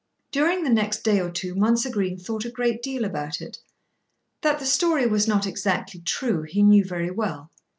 During the next day or two Mounser Green thought a great deal about it. That the story was not exactly true, he knew very well.